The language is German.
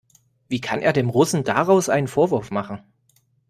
Wie kann er dem Russen daraus einem Vorwurf machen?